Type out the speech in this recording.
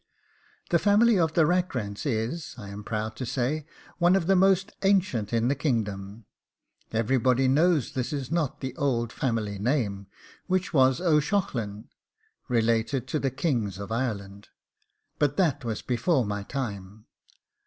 The family of the Rackrents is, I am proud to say, one of the most ancient in the kingdom. Everybody knows this is not the old family name, which was O'Shaughlin, related to the kings of Ireland but that was before my time.